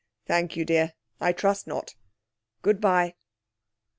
'Thank you, dear, I trust not. Good bye.'